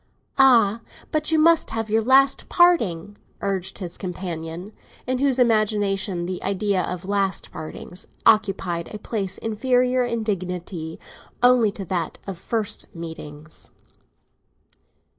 "Ah, but you must have your last parting!" urged his companion, in whose imagination the idea of last partings occupied a place inferior in dignity only to that of first meetings.